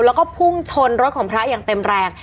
แล้วก็พุ่งชนรถของพระอย่างเต็มแรง